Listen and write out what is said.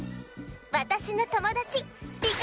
わたしのともだちりか